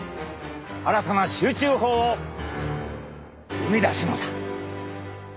新たな集中法を生み出すのだ。